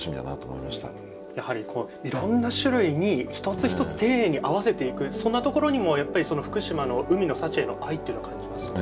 やはりいろんな種類に一つ一つ丁寧に合わせていくそんなところにもやっぱり福島の海の幸への愛っていうのを感じますね。